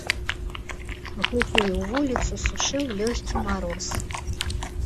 Глухую вуліцу сушыў лёгкі мароз.